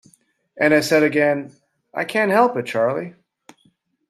And I said again, "I can't help it, Charley."